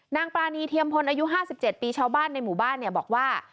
ปรานีเทียมพลอายุ๕๗ปีชาวบ้านในหมู่บ้านเนี่ยบอกว่า